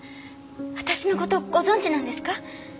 私のことご存じなんですか？